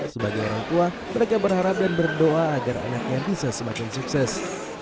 sebagai orang tua mereka berharap dan berdoa agar anaknya bisa semakin sukses